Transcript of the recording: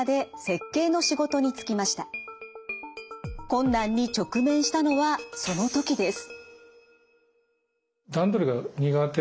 困難に直面したのはその時です。